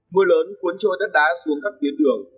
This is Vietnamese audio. mưa lớn cuốn trôi đất đá xuống các tuyến đường